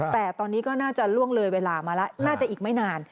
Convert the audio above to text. แต่ตอนนี้ก็น่าจะล่วงเลยเวลามาแล้วน่าจะอีกไม่นาน